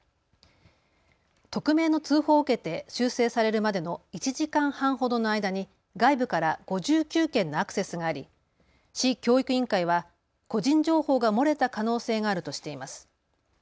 匿名の通報を受けて修正されるまでの１時間半ほどの間に外部から５９件のアクセスがあり市教育委員会は個人情報が漏れた可能性があるとしています。